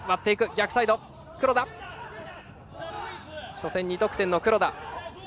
初戦、２得点の黒田。